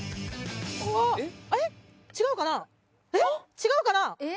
違うかな？